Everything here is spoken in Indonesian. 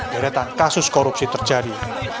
di hadapan kasus korupsi terjadi